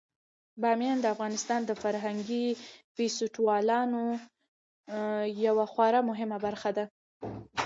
بامیان د افغانستان د فرهنګي فستیوالونو یوه خورا مهمه برخه ده.